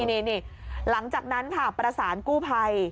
นี่หลังจากนั้นค่ะประสานกู้ภัย